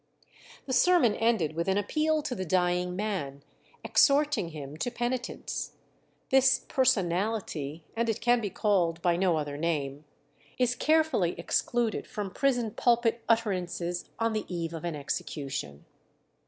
The sermon ended with an appeal to the dying man, exhorting him to penitence. This "personality," and it can be called by no other name, is carefully excluded from prison pulpit utterances on the eve of an execution.